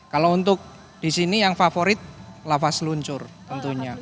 kalau untuk di sini yang favorit lapas luncur tentunya